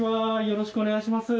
よろしくお願いします。